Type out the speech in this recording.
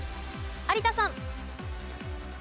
有田さん。